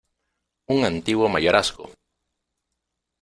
¡ un antiguo mayorazgo!